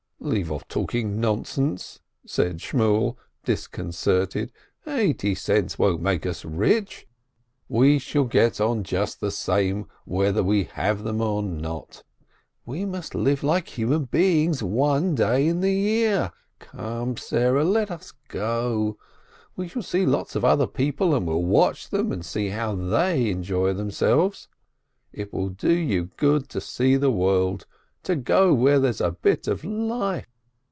"Leave oft* talking nonsense!" said Shmuel, discon certed. "Eighty cents won't make us rich. We shall get on just the same whether we have them or not. We must live like human beings one day in the year! Come, Sarah, let us go! We shall see lots of other people, and we'll watch them, and see how they enjoy themselves. It will do you good to see the world, to go where there's a bit of life!